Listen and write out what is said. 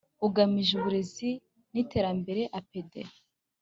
Ugamije Uburezi n Iterambere A P E D